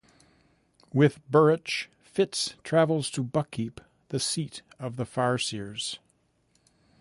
With Burrich, Fitz travels to Buckkeep, the seat of the Farseers.